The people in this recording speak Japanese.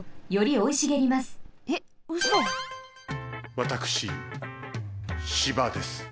わたくし芝です。